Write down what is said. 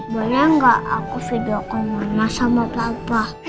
boleh gak aku video call mama sama papa